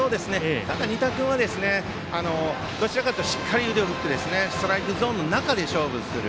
仁田君はどちらかというとしっかり腕を振ってストライクゾーンの中で勝負をする。